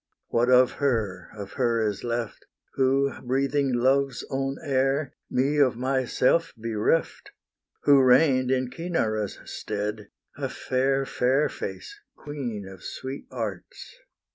what of her, of her is left, Who, breathing Love's own air, Me of myself bereft, Who reign'd in Cinara's stead, a fair, fair face, Queen of sweet arts?